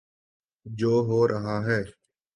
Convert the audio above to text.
جو ہو رہا ہے۔